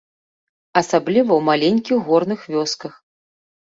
Асабліва ў маленькіх горных вёсках.